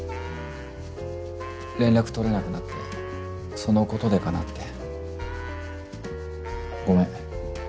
連絡取れなくなってそのことでかなってごめん